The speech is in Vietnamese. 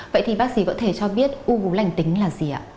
vậy thì bác sĩ có thể cho biết u vú lành tính là gì ạ